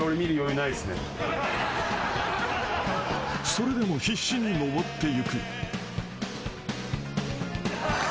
［それでも必死に上っていく］